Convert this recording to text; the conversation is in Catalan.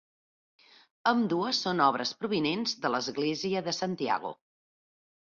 Ambdues són obres provinents de l'església de Santiago.